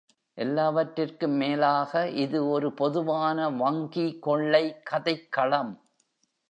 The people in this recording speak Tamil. எல்லாவற்றிற்கும் மேலாக இது ஒரு பொதுவான வங்கி கொள்ளை கதைக்களம்.